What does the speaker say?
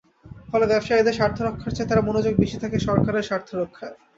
ফলে ব্যবসায়ীদের স্বার্থ রক্ষার চেয়ে তাঁর মনোযোগ বেশি থাকে সরকারের স্বার্থ রক্ষায়।